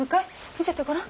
見せてごらん。